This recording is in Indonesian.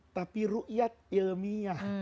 tapi ruqyat ilmiah